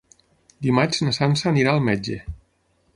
Dimarts na Sança anirà al metge.